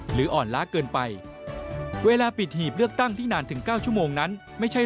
เพื่อไม่ให้เจ้าหน้าที่เกิดความเหนื่อยหรืออ่อนล้าเกินไป